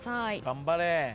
頑張れ。